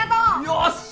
よし！